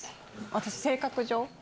私、性格上。